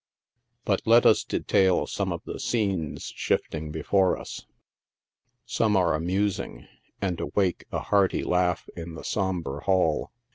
But let us detail some of the scenes shifting before us. Some are amusing, and awake a hearty laugh in the sombre hall.